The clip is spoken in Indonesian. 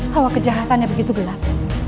hawa kejahatannya begitu gelap